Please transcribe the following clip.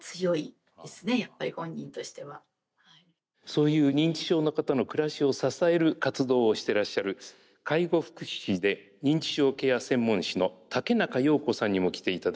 そういう認知症の方の暮らしを支える活動をしてらっしゃる介護福祉士で認知症ケア専門士の竹中庸子さんにも来ていただいています。